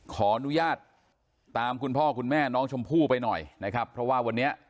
ขออนุญาตตามคุณพ่อคุณแม่น้องชมพู่ไปหน่อยนะครับเพราะว่าวันนี้